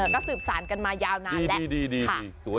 ก็สืบสารกันมายาวนานแล้ว